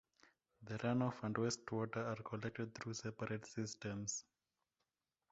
The runoff and wastewater are collected through separate systems.